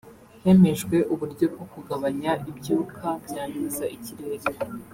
hemejwe uburyo bwo kugabanya ibyuka byangiza ikirere